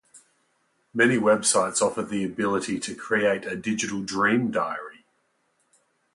Many websites offer the ability to create a digital dream diary.